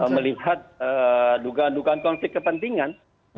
melihat dugaan dugaan konflik kepentingan